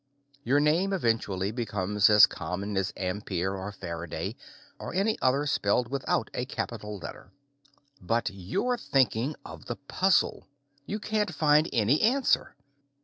Your name eventually becomes as common as Ampere, or Faraday, or any other spelled without a capital letter. But you're thinking of the puzzle. You can't find any answer.